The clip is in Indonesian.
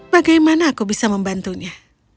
bagaimana aku bisa membantunya